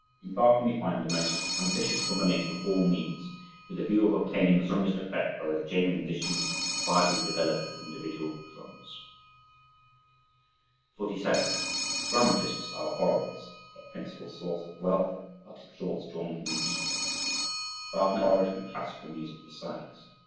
In Wagner we find the most ambitious combination of all means with the view of obtaining the strongest effect whereas genuine musicians quietly develop individual genres. 47. Dramatists are borrowers—their principal source of wealth—artistic thoughts drawn from the epos. Wagner borrowed from classical music besides.